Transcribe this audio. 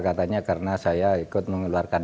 katanya karena saya ikut mengeluarkan